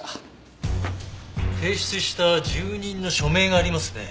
提出した住人の署名がありますね。